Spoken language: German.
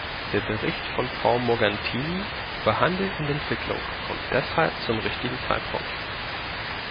Der Bericht von Frau Morgantini über Handel und Entwicklung kommt deshalb zum richtigen Zeitpunkt.